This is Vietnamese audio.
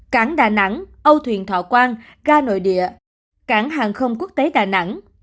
cảng đà nẵng âu thuyền thọ quang ga nội địa cảng hàng không quốc tế đà nẵng